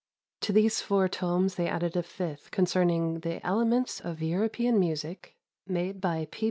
To these four tomes they added a fifth concerning the "Elements of European Music, made by P.